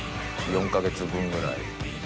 ４か月分ぐらい。